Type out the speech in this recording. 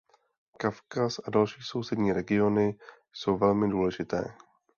Kavkaz a další sousední regiony jsou velmi důležité.